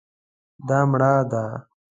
دا مړه ده